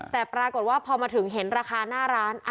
แต่ปรากฏว่าพอมาถึงเห็นราคาหน้าร้าน